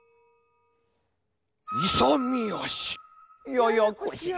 ややこしや。